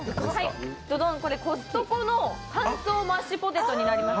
どどん、コストコの乾燥マッシュポテトになります。